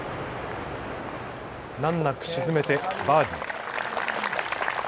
難なく沈めてバーディー。